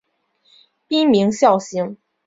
滨名孝行。